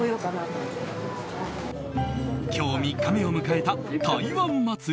今日、３日目を迎えた台湾祭。